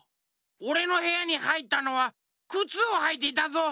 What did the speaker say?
おれのへやにはいったのはくつをはいていたぞ！